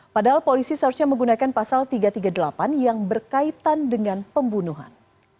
padahal polisi seharusnya menggunakan pasal tiga ratus tiga puluh delapan yang berkaitan dengan pembunuhan